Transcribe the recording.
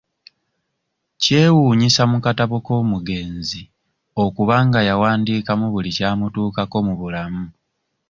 Kyewuunyisa mu katabo k'omugenzi okuba nga yawandiikamu buli kyamutuukako mu bulamu.